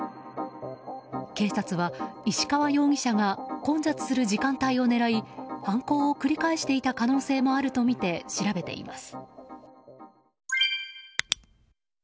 警察は、石川容疑者が混雑する時間帯を狙い犯行を繰り返していた可能性もあるとみて調べています。